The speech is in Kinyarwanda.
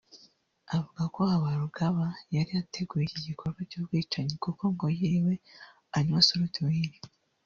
avuga ko Habarugaba yari yateguye iki gikorwa cy’ubwicanyi kuko ngo yiriwe anywa suruduwire